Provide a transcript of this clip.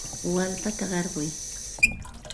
Wallpata qarquy.